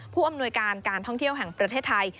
ผู้อำนวยการการท่องเที่ยวแห่งประเทศไทย